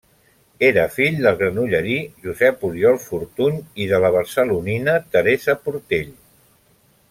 Era fill del granollerí Josep Oriol Fortuny i de la barcelonina Teresa Portell.